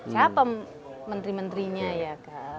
siapa menteri menterinya ya